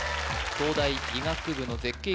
東大医学部の絶景